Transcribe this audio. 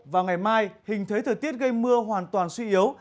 vào ngày mai hình thế thời tiết gây mưa hoàn toàn suy yếu